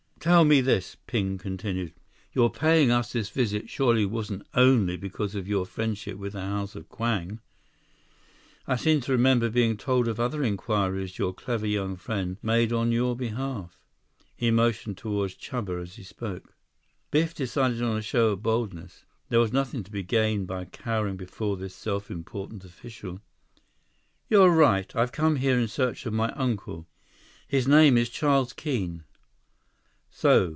"Tell me this," Ping continued. "Your paying us this visit surely wasn't only because of your friendship with the House of Kwang. I seem to remember being told of other inquiries your clever young friend made on your behalf." He motioned toward Chuba as he spoke. Biff decided on a show of boldness. There was nothing to be gained by cowering before this self important official. "You're right. I have come here in search of my uncle. His name is Charles Keene." "So.